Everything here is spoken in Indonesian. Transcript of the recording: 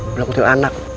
belakang aku lihat anak